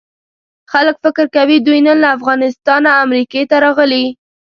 خلک فکر کوي دوی نن له افغانستانه امریکې ته راغلي.